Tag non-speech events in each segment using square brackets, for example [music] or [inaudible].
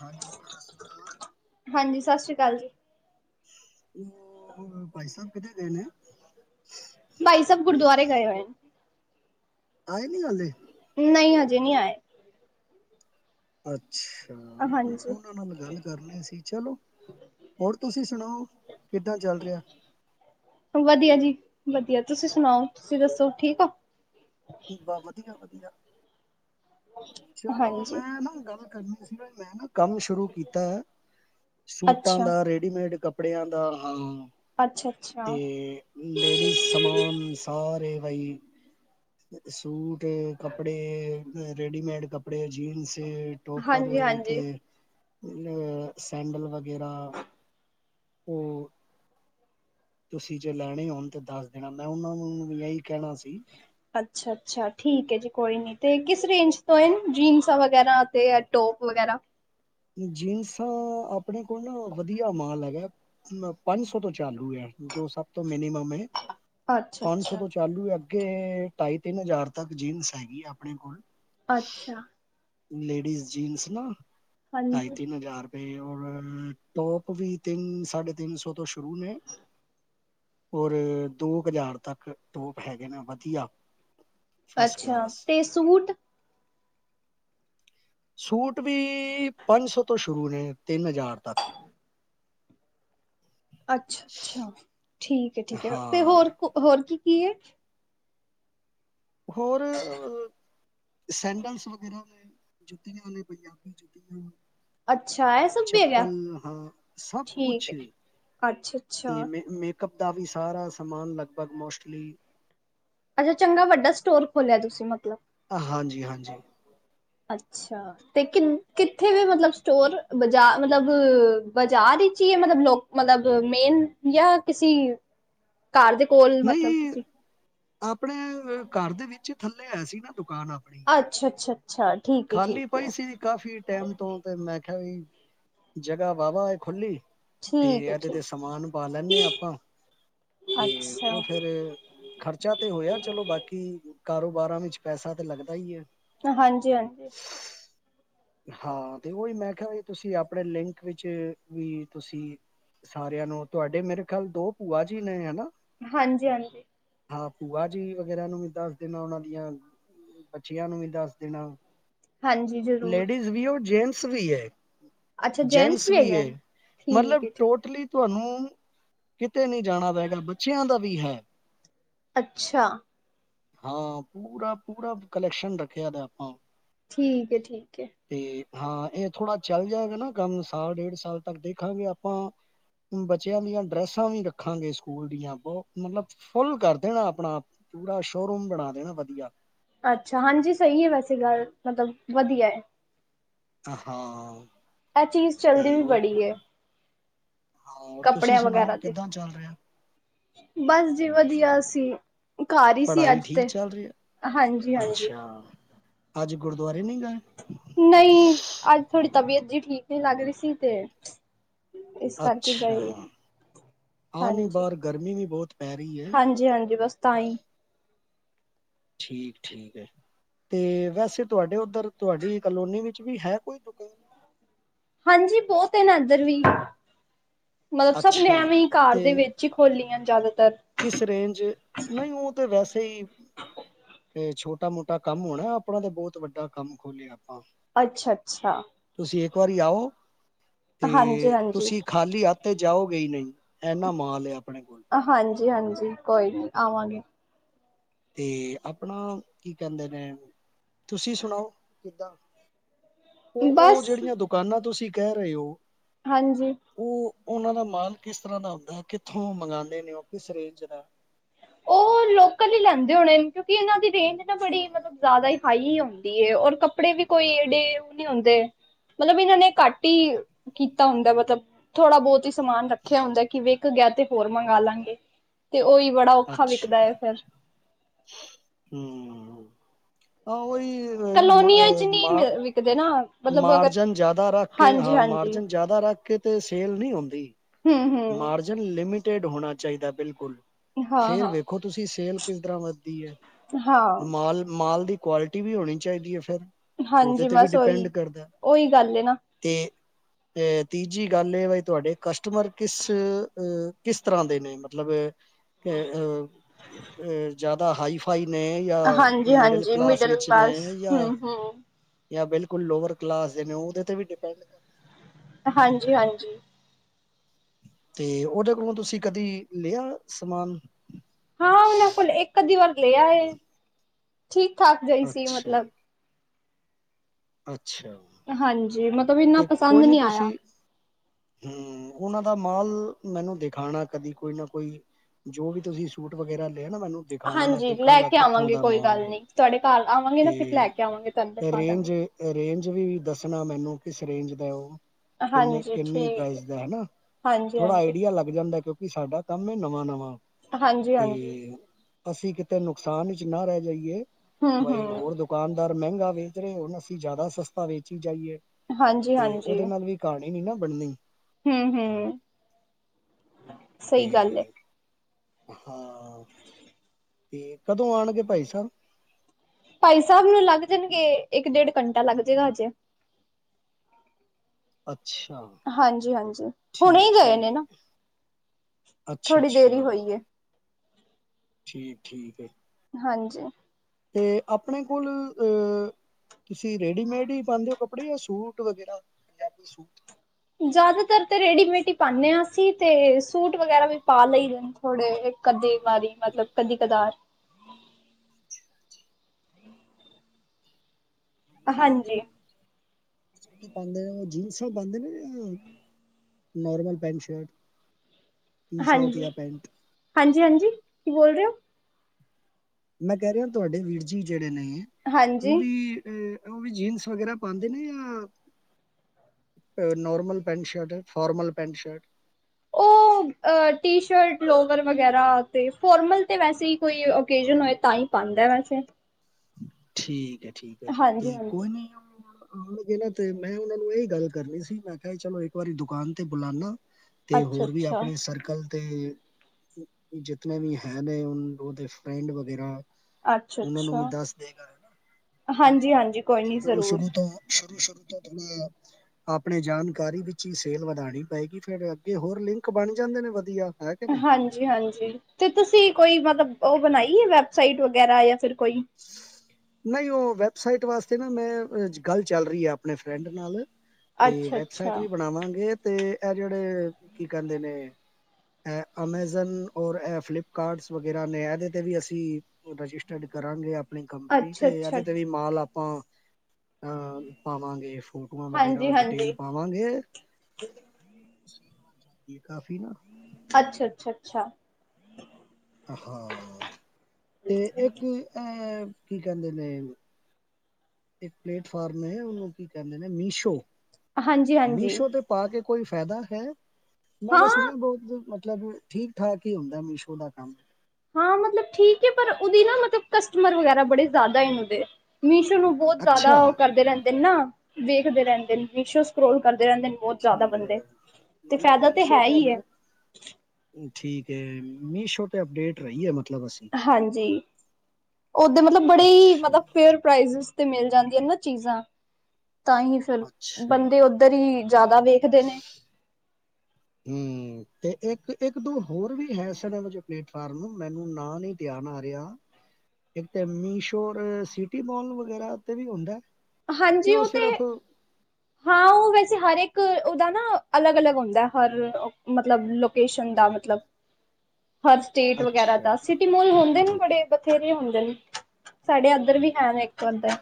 ਹਾਂਜੀ ਸਤਿ ਸ੍ਰੀ ਅਕਾਲ। ਹਾਂਜੀ ਸਤਿ ਸ਼੍ਰੀ ਅਕਾਲ ਜੀ। ਉਹ ਭਾਈ ਸਾਹਿਬ ਕਿੱਥੇ ਗਏਂ ਨੇ? ਭਾਈ ਸਾਹਿਬ ਗੁਰੂਦੁਆਰੇ ਗਏਂ ਹੋਏ ਨੇ। ਆਏਂ ਨੀ ਹਾਲੇ? ਨਹੀਂ ਹਜੇ ਨਈ ਆਏਂ। ਅੱਛਾ ਹਾਂਜੀ ਉਹਨਾਂ ਨਾਲ ਮੈਂ ਗੱਲ ਕਰਨੀਂ ਸੀ ਚਲੋਂ। ਹੋਰ ਤੁਸੀਂ ਸੁਣਾਓ ਕਿੱਦਾਂ ਚੱਲ ਰਿਹਾਂ? ਵਧੀਆ ਜੀ, ਵਧੀਆ ਤੁਸੀਂ ਸੁਣਾਓ, ਤੁਸੀਂ ਦੱਸੋ ਠੀਕ ਹੋ? ਠੀਕ ਆ ਵਧੀਆ, ਵਧੀਆ। ਚਲੋ ਹਾਂਜੀ ਮੈਂ ਨਾ ਗੱਲ ਕਰਨੀ ਸੀ, ਮੈਂ ਨਾ ਕੰਮ ਸ਼ੁਰੂ ਕੀਤਾ ਐ, ਸੂਟਾਂ ਅੱਛਾ ਦਾ ਰੇਡ ਰੇਡੀਮੇਡ ਕੱਪੜਿਆਂ ਦਾ, ਅ ਅੱਛਾ ਅੱਛਾ ਤੇ ਲੇਡੀਜ਼ ਸਮਾਨ ਸਾਰੇ ਬਾਈ ਸੂਟ, ਕੱਪੜੇ, ਰੇਡੀਮੇਡ ਕੱਪੜੇ, ਜੀਨਸ ਟੋਪਰ ਹਾਂਜੀ ਤੇ ਹਾਂਜੀ ਸੈਂਡਲ ਵਗੈਰਾ, ਹੋਰ ਤੁਸੀਂ ਜੇ ਲੈਣੇ ਹੋਣ ਤੇ ਦੱਸ ਦੇਣਾ। ਮੈਂ ਉਹਨਾਂ ਨੂੰ ਵੀ ਇਹੀ ਕਹਿਣਾ ਸੀ। ਅੱਛਾ, ਅੱਛਾ ਠੀਕ ਹੈ ਜੀ ਕੋਈ ਨੀ, ਤੇ ਕਿਸ ਰੇਂਜ ਤੋਂ ਹੇਨ ਜੀਨਸਾਂ ਵਗੈਰਾ ਅਤੇ ਟੋਪ ਵਗੈਰਾ। ਜੀਨਸਾਂ, ਆਪਣੇ ਕੋਲ ਨਾ ਵਧੀਆ ਮਾਲ ਹੈਗਾ, ਪੰਜ ਸੌ ਤੋਂ ਚਾਲੂ ਐ, ਜੋ ਸਭ ਤੋਂ ਮਿਨੀਮਮ ਐ। ਅੱਛਾ ਪੰਜ ਸੌ ਅੱਛਾ ਤੋਂ ਚਾਲੂ ਅੱਗੇ, ਢਾਈ-ਤਿੰਨ ਹਜ਼ਾਰ ਤੱਕ ਜੀਨਸ ਹੈਗੀ ਆਪਣੇ ਕੋਲ। ਅੱਛਾ। ਲੇਡੀਜ਼ ਜੀਨਸ ਨਾ, ਹਾਂਜੀ ਢਾਈ-ਤਿੰਨ ਹਜ਼ਾਰ ਤੇ ਹੋਰ ਟੋਪ ਵੀ ਤਿੰਨ, ਸਾਢੇ-ਤਿੰਨ ਸੌ ਤੋਂ ਸ਼ੁਰੂ ਨੇ। ਔਰ ਦੋ ਕ ਹਜ਼ਾਰ ਤੱਕ, ਟੋਪ ਹੈਗੇ ਨੇ ਵਧੀਆ। ਫਸਟ ਅੱਛਾ। ਕਲਾਸ ਤੇ ਸੂਟ? ਸੂਟ ਵੀ, ਪੰਜ ਸੌ ਤੋਂ ਸ਼ੁਰੂ ਨੇ, ਤਿੰਨ ਹਜ਼ਾਰ ਤੱਕ। ਅੱਛਾ, ਅੱਛਾ। ਠੀਕ ਐ, ਠੀਕ ਐ। ਤੇ ਹਾਂ ਹੋਰ, ਹੋਰ ਕੀ-ਕੀ ਐ? ਹੋਰ ਸੈਂਡਲਸ ਵਗੈਰਾ ਨੇ, ਜੁੱਤੀਆਂ ਨੇ, ਪੰਜਾਬੀ ਜੁੱਤੀਆਂ। ਅੱਛਾ ਇਹ ਸਭ ਵੀ ਹੈਗਾ ਚੱਪਲ ਹਾਂ, ਸਭ ਕੁਛ ਠੀਕ ਹੈ ਅੱਛਾ ਤੇ ਅੱਛਾ ਮੈਂ, ਮੈਂ ਕਪ ਦਾ ਵੀ ਸਾਰਾ ਸਮਾਨ ਲਗਭਗ ਮੋਸਟਲੀ ਅੱਛਾ ਚੰਗਾ ਵੱਡਾ ਸਟੋਰ ਖੋਲਿਆ ਤੁਸੀਂ ਮਤਲਬ। ਹਾਂਜੀ, ਹਾਂਜੀ। ਅੱਛਾ। ਤੇ ਕਿਦ ਕਿੱਥੇ ਵੀ ਮਤਲਬ ਸਟੋਰ, ਬਾਜਾਰ ਮਤਲਬ, ਬਾਜ਼ਾਰ ਵਿਚ ਹੀ ਐ? ਮਤਲਬ ਲੋਕ ਮਤਲਬ ਮੇਨ ਯਾਂ ਕਿਸੀ [inaudible] ਘਰ ਦੇ ਕੋਲ ਮਤਲਬ ਨਹੀਂ ਤੁਸੀਂ। ਆਪਣੇ, ਘਰ ਦੇ ਵਿੱਚ ਥੱਲੇ ਹੈਸੀ ਨਾ ਦੁਕਾਨ ਆਪਣੀ। ਅੱਛਾ, ਅੱਛਾ, ਅੱਛਾ। ਠੀਕ ਹੈ ਖਾਲੀ ਠੀਕ ਪਈ ਹੈ ਸੀ ਕਾਫ਼ੀ ਟੈਮ ਤੋਂ, ਤੇ ਮੈਂ ਕਿਹਾ ਵੀ ਜਗ੍ਹਾ ਵਾਵਾ ਏ ਖੁੱਲੀ ਤੇ ਠੀਕ ਹੈ ਏਦੇ ਤੇ ਠੀਕ ਸਮਾਨ ਪਾ ਲੈਂਨੇ ਆ ਆਪਾਂ, ਤੇ ਅੱਛਾ ਉਹ ਫਿਰ ਖਰਚਾ ਤੇ ਹੋਇਆ ਚਲੋ ਬਾਕੀ, ਕਾਰੋਬਾਰਾਂ ਵਿੱਚ ਪੈਸਾ ਤਾਂ ਲੱਗਦਾ ਈ ਐ। ਹਾਂਜੀ, ਹਾਂਜੀ। ਹਾਂ, ਤੇ ਉਹੀ ਮੈਂ ਕਿਹਾ, ਤੁਸੀਂ ਆਪਣੇ ਲਿੰਕ ਵਿੱਚ ਵੀ ਤੁਸੀਂ ਸਾਰਿਆਂ ਨੂੰ, ਤੁਹਾਡੇ ਮੇਰੇ ਖਿਆਲ ਦੋ ਭੂਆ ਜੀ ਨੇ ਹਨਾ? ਹਾਂਜੀ, ਹਾਂਜੀ। ਹਾਂ, ਭੂਆ ਜੀ ਵਗੈਰਾ ਨੂੰ ਵੀ ਦੱਸ ਦੇਣਾ, ਉਨਾਂ ਦੀਆਂ ਬੱਚੀਆਂ ਨੂੰ ਵੀ ਦੱਸ ਦੇਣਾ। ਹਾਂਜੀ। ਜ਼ਰੂਰ ਲੇਡੀਜ਼ ਵੀ ਐ, ਔਰ ਜੇੈਂਟਸ ਵੀ ਐ। ਅੱਛਾ ਜੈਂਟਸ ਜੇਂਟਸ ਵੀ ਹੈਗੇ ਐ, ਨੇ ਠੀਕ ਮਤਲਬ ਹੈ ਠੀਕ ਹੈ ਟੋਟਲੀ ਤੁਹਾਨੂੰ, ਕਿਤੇ ਨੀ ਜਾਣਾ ਪਏਗਾ ਬੱਚਿਆਂ ਦਾ ਵੀ ਹੈ। ਅੱਛਾ। ਹਾਂ ਪੂਰਾ, ਪੂਰਾ ਕਲੈਕਸ਼ਨ ਰੱਖਆ ਦੈ ਆਪਾਂ। ਠੀਕ ਐ, ਠੀਕ ਐ। ਤੇ ਹਾਂ, ਏਹ ਥੋੜਾ ਚੱਲ ਜਾਏਗਾ ਨਾ ਕੰਮ ਸਾਲ-ਡੇਢ ਸਾਲ ਤੱਕ ਦੇਖਾਂਗੇ ਆਪਾਂ ਬੱਚੇਆਂ ਦੀਆਂ ਡਰੈਸਾਂ ਵੀ ਰੱਖਾਂਗੇ ਸੂਕੂਲ ਦੀਆਂ, ਬੋਅ ਮਤਲਬ ਫੁੱਲ ਕਾਰ ਦੇਣਾ ਆਪਣਾ ਆਪ। ਪੂਰਾ ਸ਼ੋਰੂਮ ਬਣਾ ਦੇਣਾ ਵਦੀਆ। ਅੱਛਾ, ਹਾਂਜੀ ਸਈ ਏ ਵੈਸੇ ਗਾੱਲ ਮਤਲਬ ਵਦੀਐ। ਹਾਂ-ਹਾਂ। ਐ ਚੀਜ਼ ਚਲਦੀ ਵੀ ਬੜੀ ਏ। ਹਾਂ ਔਰ ਤੁਸੀ ਸੁਣਾਓ ਵਗੈਰਾ ਤੇ। ਕਿੱਦਾਂ ਚੱਲ ਰੇਐ? ਬਸ ਜੀ ਵਦੀਆ ਸੀ, ਘਾਰ ਈ ਸੀ ਪੜ੍ਹਾਈ ਅੱਜ ਠੀਕ ਤੇ, ਚੱਲ ਰਹੀ ਹੈ ਹਾਂਜੀ-ਹਾਂਜੀ। ਅਜ ਗੁਰਦੁਆਰੇ ਨੀ ਗਏ? ਨਈ ਅਜ ਥੋਡੀ ਤਬੀਅਤ ਜੀ ਠੀਕ ਨੀ ਲਗ ਰੀ ਸੀ ਤੇ ਏਸ ਕਰਕੇ ਅੱਛਾ ਗਏ ਨੀ। ਹਾਂ ਨਹੀਂ ਹਾਂਜੀ, ਬਾਹਰ ਗਰਮੀ ਵੀ ਬਹੁਤ ਪੈ ਰਹੀ ਹੈ ਹਾਂਜੀ-ਹਾਂਜੀ ਬਸ ਤਾਂ ਈ। ਠੀਕ-ਠੀਕ ਏ, ਤੇ ਵੈਸੇ ਤੁਆਡੇ ਓਦਰ ਤੁਆਡੀ ਕਾਲੋਨੀ ਵਿੱਚ ਵੀ ਹੈ ਕੋਈ ਦੁਕਾਨ? ਹਾਂਜੀ ਬੋਤ ਐਨ ਐਧਰ ਵੀ, ਮਤਲਵ ਸਬ ਨੇ ਅੱਛਾ ਐਵੇਂ ਈ ਘਾਰ ਦੇ ਤੇ ਵਿੱਚ ਚੀ ਖੋਲੀਅਨ ਜਾਦਾਤਰ। ਕਿਸ ਰੇਂਜ, ਨਈ ਓ ਤੇ ਵੈਸੇ ਈ ਤੇ ਛੋਟਾ-ਮੋਟਾ ਕੱਮ ਹੋਣੈ ਅਪਣਾ ਤੇ ਬੋਤ ਵੱਡਾ ਕੱਮ ਖੋਲੇਆ ਆਪਾਂ। ਅੱਛਾ-ਅੱਛਾ। ਤੁਸੀ ਏਕ ਵਾਰੀ ਆਓ ਤੇ ਹਾਂਜੀ ਹਾਂਜੀ ਤੁਸੀ ਖਾਲੀ ਹੱਥ ਤੇ ਜਾਓਗੇ ਈ ਨੀ, ਐਨਾ ਮਾਲ ਏ ਆਪਣੇ ਕੋਲ। ਹਾਂਜੀ-ਹਾਂਜੀ ਕੋਈ ਨੀ ਆਵਾਂਗੇ। ਤੇ ਆਪਣਾ, ਕੀ ਕੈਂਦੇ ਨੇ ਤੁਸੀ ਸੁਣਾਓ, ਕਿੱਦਾਂ? ਓ-ਓ ਬਸ ਜੇੜੀਆਂ ਦੁਕਾਨਾਂ ਤੂਸੀ ਕੈ ਰਏ ਓ ਹਾਂਜੀ। ਓ ਓਨਾਂ ਦਾ ਮਾਲ ਕਿਸ ਤਰਾਂ ਦਾ ਹੋਂਦੈ, ਕਿੱਥੋਂ ਮੰਗਾਂਦੇ ਨੇ ਓ, ਕਿਸ ਰੇਂਜ ਦੈ? ਉਹ [inaudible] ਲੋਕਲ ਈ ਲੈਂਦੇ ਹੋਣੇਣ, ਕਿਉਂਕਿ ਐਨਾਂ ਦੀ ਰੇਂਜ ਨਾ ਬੜੀ ਮਤਲਬ ਜਾਦਾ ਈ ਹਾਈ ਹੋਂਦੀ ਏ, ਔਰ ਕੱਪੜੇ ਵੀ ਕੋਈ ਏਡੇ ਉ ਨੀ ਹੋਂਦੇ, ਮਤਲਬ ਏਨਾਂ ਨੇ ਘਾੱਟ ਈ ਕੀਤਾ ਹੋਂਦੈ ਮਤਲਬ, ਥੋੜਾ ਬੋਤ ਈ ਸਮਾਨ ਰੱਖੇਆ ਹੋਂਦੈ, ਕਿ ਵੇਕੱ ਗੇਆ ਤੇ ਹੋਰ ਮੰਗਾ ਲਾਂਗੇ। ਤੇ ਓਈ ਬੜਾ ਔਖਾ ਅੱਛਾ, ਵਿਕਦਾ ਹੈ ਫਿਰ ਹੂੰ। ਹਾਂ ਓਈ ਮ ਅ ਮ ਮਾਲ ਐਦੇ ਨਾ ਮਤਲਬ ਅਗਰ ਮਾਰਜਨ ਜਯਾਦਾ ਰੱਖ ਕੇ, ਹਾਂਜੀ ਹਾਂ ਹਾਂਜੀ ਮਾਰਜਨ ਜਯਾਦਾ ਰਾੱਖ ਕੇ ਤੇ ਸੇਲ ਨਈ ਹੋਂਦੀ। ਹਮ ਹਮ ਮਾਰਜਨ ਲਿਮਿਟਿਡ ਹੋਣਾ ਚਾਈਦੈ ਬਿਲਕੁਲ। ਹਾਂ ਫੇਰ ਹਾਂ ਵੇਖੋ ਤੁਸੀ ਸੇਲ ਕਿਸ ਤਂਰਾ ਵੱਧਦੀ ਏ, ਹਾਂ ਮਾਲ-ਮਾਲ ਦੀ ਕੁਆਲਿਟੀ ਵੀ ਹੋਣੀ ਚਾਈਦੀ ਏ ਫੇਰ, ਓਦੇ ਹਾਂਜੀ ਤੇ ਵੀ ਬਸ ਡਿਪੈਂਡ ਉਹੀ ਕਰਦੈ। ਉਹੀ ਗੱਲ ਹੈ ਨਾ ਤੇ, ਅ ਤੀਜੀ ਗੱਲ ਏ ਵਈ ਤੂਆਡੇ ਕਸਟਮਰ ਕਿਸੱ ਅ ਕਿਸ ਤਰਾਂ ਦੇ ਨੇ ਮਤਲਬ ਅ ਅ ਅ ਅ ਜਾਦਾ ਹਾਈਫਾਈ ਨੇ ਯਾ ਹਾਂਜੀ ਮਿਡਲ ਹਾਂਜੀ ਕਲਾਸ ਵਿੱਚ ਨੇ ਕਲਾਸ ਯਾ ਹਮ ਹਮ ਯਾ ਬਿਲਕੁਲ ਲੋਅਰ ਕਲਾਸ ਦੇ ਨੇ ਓਦੇ ਤੇ ਵੀ ਡਿਪੈਂਡ ਹਾਂਜੀ-ਹਾਂਜੀ। ਤੇ ਓਦੇ ਕੋਲੋਂ ਤੂਸੀ ਕਦੀ ਲੇਆ ਸਮਾਨ? ਹਾਂ, ਉਨਾਂ ਕੋਲ ਇਕ ਅੱਧੀ ਵਾਰ ਲੇਆ ਏ, ਠੀਕ-ਠਾਕ ਜਾ ਈ ਸੀ ਅੱਛਾ ਮਤਲਬ। ਅੱਛਾ। ਹਾਂਜੀ, ਮਤਲਬ ਇੰਨਾ ਤੇ ਕੋਈ ਪਸੰਦ ਨੀ ਆਏਆ। ਤੁਸੀਂ ਹੂੰ, ਓਨਾਂ ਦਾ ਮਾਲ ਮੈਨੂੰ ਦਿਖਾਣਾ ਕਦੀ ਕੋਈ ਨਾ ਕੋਈ ਜੋ ਵੀ ਤੂਸੀ ਸੂਟ ਵਗੈਰਾ ਲੇਆ ਨਾ ਮੈਨੂੰ ਦਿਖਾਣਾ, ਮੈਂ ਹਾਂਜੀ ਲੈ ਦੇਖਾਂਗਾ ਕੇ ਕਿੱਥੋਂ ਆਵਾਂਗੇ ਦਾ ਕੋਈ ਮਾਲ ਗੱਲ ਹੈ, ਨੀ ਤੁਹਾਡੇ ਘਰ ਆਵਾਂਗੇ ਨਾ ਫਿਰ ਲੈ ਕੇ ਆਵਾਂਗੇ ਤੁਹਾਨੂੰ ਤੇ ਦਿਖਾ ਰੇਂਜ ਦਾਂਗੇ ਤੇ ਰੇਂਜ ਵੀ ਦੱਸਣਾ ਮੈਨੂੰ ਕਿਸ ਰੇਂਜ ਦਾ ਏ ਉ। ਕਿੰਨੇ ਹਾਂਜੀ ਕਿੰਨੀ ਠੀਕ ਹੈ ਪ੍ਰਾਈਜ਼ ਦਾ ਹੈਨਾ, ਹਾਂਜੀ ਥੋੜਾ ਹਾਂਜੀ ਆਈਡੀਆ ਲੱਗ ਜਾਂਦਾ ਕਿਉਂ ਵੀ ਸਾਡਾ ਕੰਮ ਹੈ ਨਵਾਂ-ਨਵਾਂ ਹਾਂਜੀ ਤੇ ਹਾਂਜੀ ਅਸੀਂ ਕਿਤੇ ਨੁਕਸਾਨ ਵਿੱਚ ਨਾ ਰਹਿ ਜਾਈਏ, ਹਮ ਬਾਈ ਹਮ ਹੋਰ ਦ ਦੁਕਾਨਦਾਰ ਮਹਿੰਗਾ ਵੇਚ ਰਹੇ ਹੋਣ, ਅਸੀਂ ਜ਼ਿਆਦਾ ਸਸਤਾ ਵੇਚੀ ਜਾਈਏ। ਹਾਂਜੀ ਤੇ ਉਹਦੇ ਨਾਲ ਵੀ ਕਹਾਣੀ ਨੀ ਨਾ ਬਣਨੀ। ਹੂੰ-ਹੂੰ, ਤੇ ਸਹੀ ਗੱਲ ਏ। ਹਾਂ। ਤੇ ਕਦੋਂ ਆਉਣਗੇ ਭਾਈ ਸਾਹਬ? ਭਾਈ ਸਾਹਬ ਨੂੰ ਲੱਗ ਜਾਣਗੇ, ਇੱਕ-ਡੇਢ ਘੰਟਾ ਲੱਗ ਜਏਗਾ ਹਜੇ। ਅੱਛਾ। ਹਾਂਜੀ-ਹਾਂਜੀ, ਹੁਣੇ ਠੀਕ ਹੀ ਗਏ ਠੀਕ ਨੇ ਹੈ, ਨਾ। ਥੋੜ੍ਹੀ ਦੇਰ ਅੱਛਾ-ਅੱਛਾ, ਈ ਹੋਈ ਏ। ਠੀਕ-ਠੀਕ ਏ। ਹਾਂਜੀ। ਤੇ ਆਪਣੇ ਕੋਲ ਅ ਤੁਸੀਂ ਰੈਡੀਮੇਡ ਹੀ ਪਾਉਂਦੇ ਹੋ ਕੱਪੜੇ ਜਾਂ ਸੂਟ ਵਗੈਰਾ, ਪੰਜਾਬੀ ਸੂਟ। ਜ਼ਿਆਦਾਤਰ ਤੇ ਰੇਡੀਮੇਟ ਹੀ ਪਾਨੇ ਆ ਅਸੀਂ ਤੇ, ਸੂਟ ਵਗੈਰਾ ਵੀ ਪਾ ਲਈ ਦਾ। ਥੋੜੇ ਇੱਕ-ਅੱਧੀ ਵਾਰੀ ਮਤਲਬ ਕਦੀ-ਕਧਾਰ। ਹਾਂਜੀ। ਕੀ ਪਾਉਂਦੇ ਨੇ ਉਹ, ਜੀਨਸ ਪਾਂਦੇ ਨੇ ਨੋਰਮਲ ਪੈਂਟ-ਸ਼ਰਟ। ਹਾਂਜੀ-ਹਾਂਜੀ-ਹਾਂਜੀ, ਕੀ ਬੋਲ ਰਹੇ ਹੋ? ਮੈਂ ਕਹਿ ਰਿਹਾ ਤੁਹਾਡੇ ਵੀਰ ਜੀ ਜਿਹੜੇ ਨੇ, ਹਾਂਜੀ ਉਹ ਵੀ ਹੂੰ, ਉਹ ਵੀ ਜੀਨਸ ਵਗੈਰਾ ਪਉਂਦੇ ਨੇ ਜਾਂ normal pant shirt, formal pant shirt. [inaudible] ਅ ਟੀ-ਸ਼ਰਟ, ਲੋਵਰ ਵਗੈਰਾ ਤੇ ਫੋਰਮਲ ਤੇ ਵੈਸੇ ਹੀ ਕੋਈ ਓਕੇਸ਼ਨ ਹੋਏ ਤਾਂ ਹੀ। ਪਾਂਦੇ ਵੈਸੇ। ਠੀਕ ਹੈ-ਠੀਕ ਹੈ, ਹਾਂਜੀ, ਤੇ ਹਾਂਜੀ ਕੋਈ ਨੀ। ਆਉਣਗੇ ਨਾ ਤੇ ਮੈਂ ਉਹਨਾਂ ਨੂੰ ਇਹਹੀ ਗੱਲ ਕਰਨੀ ਸੀ, ਮੈਂ ਕਿਹਾ, ਚਲੋ ਇੱਕ ਵਾਰੀ ਦੁਕਾਨ ਤੇ ਬੁਲਾਨਾ। ਤੇ ਅੱਛਾ, ਹੋਰ ਵੀ ਅੱਛਾ, ਆਪਣੇ ਸਰ ਸਰਕਲ ਤੇ ਜਿਤਨੇ ਵੀ ਹੈ ਨੇ ਉਹਦੇ ਫਰੈਂਡ ਵਗੈਰਾ। ਅੱਛਾ-ਅੱਛਾ। ਸਹੀ ਗੱਲ, ਨੀ ਸ਼ੁਰੂ- ਜ਼ਰੂਰ ਸ਼ੁਰੂ ਤੋਂ ਸ਼ੁਰੂ- ਸ਼ੁਰੂ ਤੋਂ ਥੋੜਾ ਆਪਣੇ ਜਾਣਕਾਰੀ ਵਿੱਚ ਹੀ ਸੇਲ ਵਧਾਉਣੀ ਪਏਗੀ ਫੇਰ ਅੱਗੇ ਹੋਰ ਲਿੰਕ ਬਣ ਜਾਂਦੇ ਨੇ ਵਧੀਆ। ਹੈ ਕਿ ਨਹੀਂ ਹਾਂਜੀ- ਹਾਂਜੀ, ਤੇ ਤੁਸੀਂ ਕੋਈ ਮਤਲਬ ਉਹ ਬਣਾਈ ਹੈ ਵੈਬਸਾਈਟ ਵਗੈਰਾ ਜਾਂ ਫਿਰ ਕੋਈ? ਨਹੀਂ ਉਹ, ਵੈਬਸਾਈਟ ਵਾਸਤੇ ਨਾ ਮੈਂ, ਗੱਲ ਚੱਲ ਰਹੀ ਆ ਆਪਣੇ ਫਰੈਂਡ ਨਾਲ। ਤੇ ਅੱਛਾ, ਵੈਬਸਾਈਟ ਅੱਛਾ ਵੀ ਬਣਾਵਾਂਗੇ ਤੇ ਇਹ ਜਿਹੜੇ ਕੀ ਕਹਿੰਦੇ ਨੇ ਐ ਅਮੇਜ਼ਨ ਔਰ ਐ ਇਫਲਿੱਪਕਾਰਟਸ ਵਗੈਰਾ ਨੇ ਇਹਦੇ 'ਤੇ ਵੀ ਅਸੀਂ ਰਜਿਸਟਰਡ ਕਰਾਂਗੇ ਆਪਣੀ ਕੰਪਨੀ ਅੱਛਾ ਤੇ ਅੱਛਾ ਇਹਦੇ ਤੇ ਵੀ ਮਾਲ ਆਪਾਂ, ਅਹ ਪਾਵਾਂਗੇ ਫ ਵਗੈਰਾ ਹਾਂਜੀ ਹਾਂਜੀ ਡਿਟੇਲ ਪਾਵਾਂਗੇ। ਕਾਫੀ ਨਾ ਅੱਛਾ- ਅੱਛਾ- ਅੱਛਾ। ਹਾਂ, ਤੇ ਇੱਕ ਅਹ ਕੀ ਕਹਿੰਦੇ ਨੇ ਇੱਕ ਪਲੇਟਫਾਰਮ ਹੈ ਉਹਨੂੰ ਕੀ ਕਹਿੰਦੇ ਨੇ ਮੀਸ਼ੋ। ਹਾਂਜੀ ਹਾਂਜੀ ਮੀਸ਼ੋ ਤੇ ਪਾ ਕੇ ਕੋਈ ਫਾਇਦਾ ਹੈ। ਮੈਂ ਹਾਂ ਤਾਂ ਸੁਣਿਆ ਬਹੁਤ ਮਤਲਬ ਠੀਕ- ਠਾਕ ਹੀ ਹੁੰਦਾ ਮੀਸ਼ੋ ਦਾ ਕੰਮ। ਹਾਂ ਮਤਲਬ ਠੀਕ ਹੈ ਪਰ ਉਹਦੀ ਨਾ ਮਤਲਬ ਕਸਟਮਰ ਵਗੈਰਾ ਬੜੇ ਜ਼ਿਆਦਾ ਹੁੰਦੇ ਐ। ਮੀਸ਼ੋ ਨੂੰ ਬਹੁਤ ਜ਼ਿਆਦਾ ਅੱਛਾ ਉਹ ਕਰਦੇ ਰਹਿੰਦੇ ਨੇ ਨਾ, ਵੇਖਦੇ ਰਹਿੰਦੇ ਨੇ ਮੀਸ਼ੋ ਸਕਰੋਲ ਕਰਦੇ ਰਹਿੰਦੇ ਨੇ। ਬਹੁਤ ਜ਼ਿਆਦਾ ਠੀਕ ਬੰਦੇ, ਹੈ ਤੇ ਮਤਲਬ ਫਾਇਦਾ ਤਾਂ ਮੀਸ਼ੋ ਹੈ ਤੇ ਹੀਏ। ਠੀਕ ਹੈ। ਮੀਸ਼ੋ ਪੇ ਅਪਡੇਟ ਰਹੀ ਹੈ ਮਤਲਬ ਅਸੀਂ। ਹਾਂਜੀ। ਓਦੇ ਮਤਲਬ ਬੜੇ ਹੀ ਅੱਛਾ ਮਤਲਬ ਫੇਅਰ ਪ੍ਰਾਈਸੇਸ ਤੇ ਮਿਲ ਜਾਂਦੀਆਂ ਨਾ ਚੀਜ਼ਾਂ, ਤਾਂ ਹੀ ਫਿਰ ਅੱਛਾ ਬੰਦੇ ਉੱਧਰ ਹੀ ਜ਼ਿਆਦਾ ਵੇਖ ਦੇ ਨੇ। [inaudible] ਹੂ, ਤੇ ਇੱਕ-ਇੱਕ ਦੋ ਹੋਰ ਵੀ ਹੈ ਸਦਾ ਇਹੋ ਜੇ ਪਲੇਟਫਾਰਮ ਨੂੰ ਮੈਨੂੰ ਨਾਂ ਨਹੀਂ ਧਿਆਨ ਆ ਰਿਹਾ। ਇੱਕ ਤੇ ਮੀਸ਼ੋਰ ਸਿਟੀਮੋਲ ਵਗੈਰਾ ਉ ਤੇ ਵੀ ਹੁੰਦਾ? ਹਾਂਜੀ, ਉਹ ਤੇ ਹਾਂ, ਉਹ ਵੈਸੇ ਹਰ ਇੱਕ ਉਹਦਾ ਨਾ ਅਲੱਗ-ਅਲੱਗ ਹੁੰਦਾ, ਹਰ ਮਤਲਬ, ਲੋ ਕੇਸ਼ਨ ਦਾ ਮਤਲਬ, ਹਰ ਸਟੇਟ ਵਗੈਰਹ ਅੱਛਾ ਦਾ ਸਿਟੀ ਹੁੰਦੇ ਨੇ ਬੜੇ ਬਥੇਰੇ ਹੁੰਦੇ ਨੇ। ਸਾਡੇ ਇੱਧਰ ਵੀ ਹੈ ਇੱਕ- ਅੱਦਾ।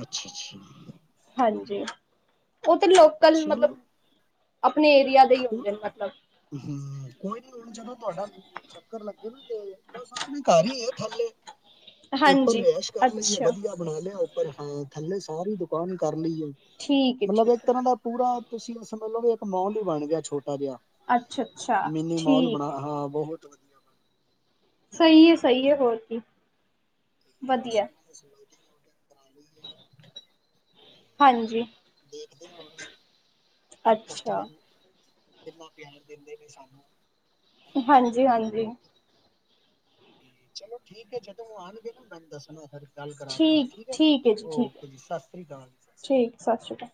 ਅੱਛਾ-ਅੱਛਾ। ਹਾਂਜੀ। ਉਹ ਤੇ ਲੋਕਲ ਚਲੋ ਮਤਲਬ, ਆਪਣੇ ਏਰੀਆ ਦੇ ਹੀ ਹੁੰਦੇ ਨੇ ਮਤਲਬ। ਹੂ, ਕੋਈ ਨੀ ਹੁਣ ਜਦੋ ਤੁਹਾਡਾ ਚੱਕਰ ਲੱਗੇ ਨਾ ਤੇ ਬਸ, ਆਪਣੇ ਘਰ ਹੀ ਹੈ ਥੱਲੇ, ਉੱਪਰ ਹਾਂਜੀ ਰੈਸ਼ ਕਰ ਲਈ ਹੈ ਅੱਛਾ ਵਧੀਆ। ਬਣਾ ਲਿਆ ਉੱਪਰ। ਹਾਂ, ਥੱਲੇ ਸਾਰੀ ਦੁਕਾਨ ਕਰ ਲਈ ਹੈ ਠੀਕ ਹੈ ਮਤਲਬ ਇੱਕ ਠੀਕ ਹੈ ਤਰ੍ਹਾਂ ਦਾ ਪੂਰਾ ਤੁਸੀਂ ਇਓ ਸਮਝ ਲਿਓ ਮਤਲਬ ਵੀ ਇੱਕ ਮੋਲ ਹੀ ਬਣ ਗਿਆ ਛੋਟਾ ਜਿਹਾ। ਅੱਛਾ-ਅੱਛਾ ਮਿੰਨੀ ਮੋਲ ਠੀਕ ਹੈ ਬਣਾਹਾਂ, ਬਹੁਤ ਵਧੀਆ। ਬਣ ਸਹੀ ਹੈ, ਸਹੀ ਹੈ, ਹੋਰ ਕੀ ਵਧੀਆ। ਬੱਸ ਸਮਾਇਕੇ ਤੋਰ ਤੇ ਬਣਾ ਲਇਏ। ਹਾਂਜੀ। ਦੇਖਦੇ ਹੋਣਾ। ਅੱਛਾ ਕਸਟਮਰ ਨੂੰ। ਕਿੰਨਾ ਪਿਆਰ ਦਿੰਦੇ ਪਏ ਸਾਨੂੰ। ਹਨਾ ਹਾਂਜੀ -ਹਾਂਜੀ। ਤੇ, ਚਲੋ ਠੀਕ ਹੈ ਜਦੋ ਆਉਣਗੇ ਨਾ ਮੈਨੂੰ ਦੱਸਣਾ ਫੇਰ। ਗੱਲ ਕਰਾ ਦੇਣਾ ਠੀਕ ਹੈ, ਔਕੇ ਜੀ ਸਤਿ ਸ੍ਰੀ ਅਕਾਲ ਜੀ। ਠੀਕ ਸਤਿ ਸ਼੍ਰੀ ਅਕਾਲ